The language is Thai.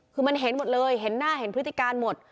คือมันเห็นหมดเลยเห็นหน้าเห็นพฤติการหมด